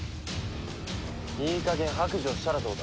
いい加減白状したらどうだ？